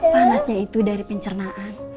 panasnya itu dari pencernaan